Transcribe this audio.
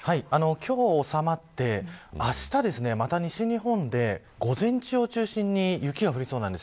今日、収まってあした、また西日本で午前中を中心に雪が降りそうなんです。